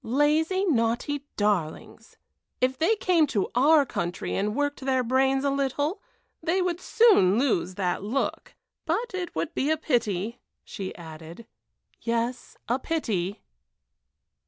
"Lazy, naughty darlings! If they came to our country and worked their brains a little, they would soon lose that look. But it would be a pity," she added "yes, a pity."